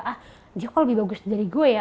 ah dia kok lebih bagus dari gue ya